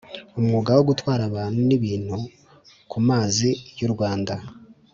umwuga wo gutwara abantu n’ibintu ku mazi y’ u rwanda.